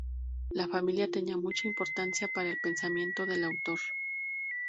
La familia tenía mucha importancia para el pensamiento del autor.